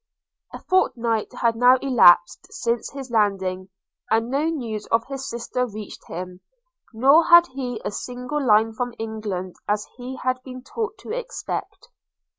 A fortnight had now elapsed since his landing, and no news of his sister reached him, nor had he a single line from England as he had been taught to expect.